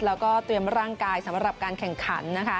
แล้วก็เตรียมร่างกายสำหรับการแข่งขันนะคะ